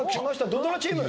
土ドラチーム！